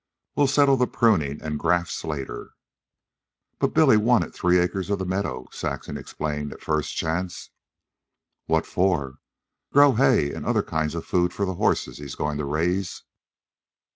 We'll settle the pruning and grafts later." "But Billy wanted three acres of the meadow," Saxon explained at the first chance. "What for?" "To grow hay and other kinds of food for the horses he's going to raise."